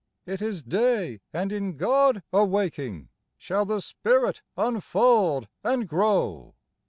It is day ; and, in God awaking, Shall the spirit unfold and grow.